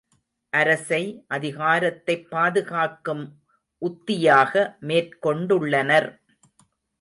அரசை, அதிகாரத்தைப் பாதுகாக்கும் உத்தியாக மேற்கொண்டுள்ளனர்.